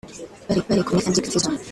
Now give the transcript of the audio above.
Bari kumwe na Big Fizzo